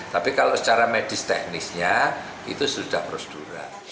tapi kalau secara medis teknisnya itu sudah prosedural